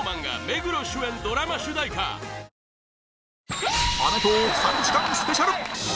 続く『アメトーーク』３時間スペシャル